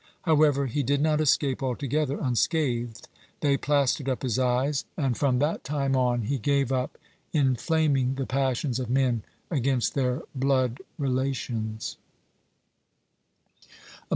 However, he did not escape altogether unscathed. They plastered up his eyes, and from that time on he gave up inflaming the passions of men against their blood relations.